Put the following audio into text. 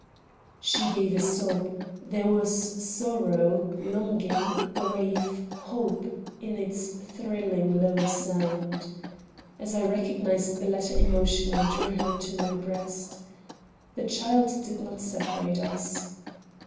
She gave a sob; there was sorrow, longing, grief, hope, in its thrilling low sound. As I recognized the latter emotion I drew her to my breast. The child did not separate us.